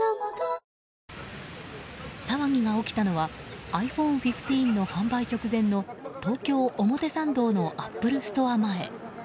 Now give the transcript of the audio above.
騒ぎが起きたのはｉＰｈｏｎｅ１５の販売直前の東京・表参道のアップルストア前。